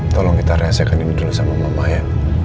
tolong kita rahasiakan ini dulu sama mama ya